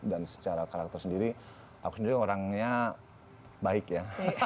dan secara karakter sendiri aku sendiri orangnya baik ya